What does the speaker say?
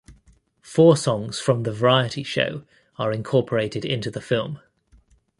Four songs from the variety show are incorporated into the film.